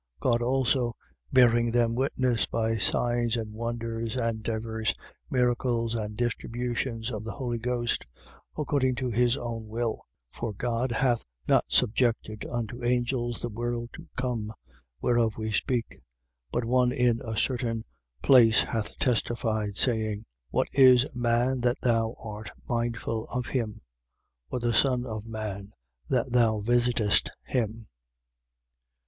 2:4. God also bearing them witness by signs and wonders and divers miracles and distributions of the Holy Ghost, according to his own will. 2:5. For God hath not subjected unto angels the world to come, whereof we speak. 2:6. But one in a certain place hath testified, saying: What is man, that thou art mindful of him? Or the son of man, that thou visitest him?